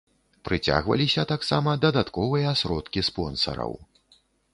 Прыцягваліся таксама дадатковыя сродкі спонсараў.